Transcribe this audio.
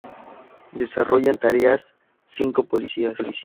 Desarrollan tareas cinco policías.